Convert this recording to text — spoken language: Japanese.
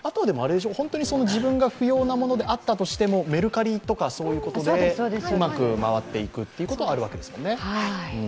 本当に自分が不要なものであったとしても、メルカリとかでうまく回っていくということはあるわけですよね。